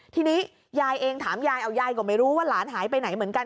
ทีนี้ยายเองถามยายเอายายก็ไม่รู้ว่าหลานหายไปไหนเหมือนกัน